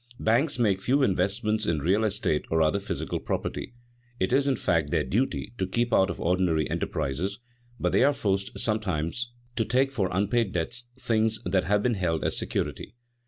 Banks make few investments in real estate or other physical property; it is, in fact, their duty to keep out of ordinary enterprises, but they are forced sometimes to take for unpaid debts things that have been held as security.